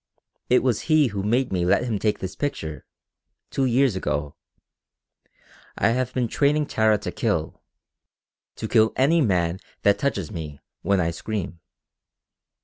It was he who made me let him take this picture two years ago. I have been training Tara to kill to kill any one that touches me, when I scream."